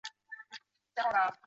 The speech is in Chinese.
祖父郑刚。